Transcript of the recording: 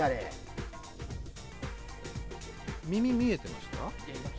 耳、見えてました？